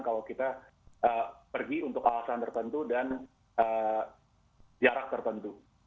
kalau kita pergi untuk alasan tertentu dan jarak tertentu